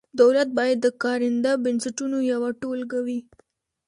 دولت باید د کارنده بنسټونو یوه ټولګه وي.